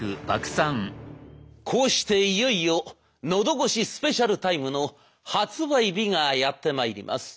こうしていよいよ「のどごしスペシャルタイム」の発売日がやってまいります。